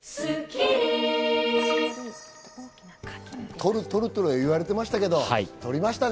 取る取るとはいわれてましたけど、取りましたね。